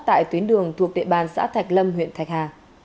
tại tuyến đường thuộc địa bàn xã thạch lâm huyện thạch hà